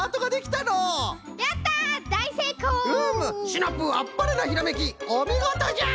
シナプーあっぱれなひらめきおみごとじゃ！